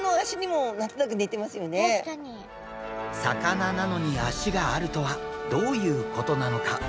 ちょっと魚なのに足があるとはどういうことなのか？